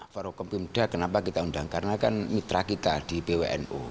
fahrul kempimda kenapa kita undang karena kan mitra kita di bwnu